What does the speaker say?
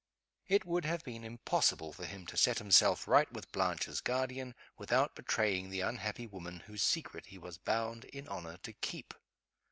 It would have been impossible for him to set himself right with Blanche's guardian without betraying the unhappy woman whose secret he was bound in honor to keep.